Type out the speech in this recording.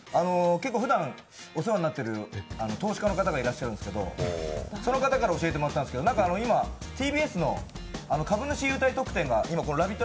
ふだんお世話になってる投資家の方がいらっしゃるんですけど、その方から教えていただいて今、ＴＢＳの株主優待特典が、ラヴィット！